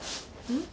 うん？